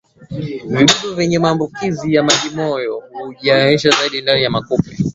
Vijidudu vyenye maambukizi ya majimoyo hujiimarisha zaidi ndani ya kupe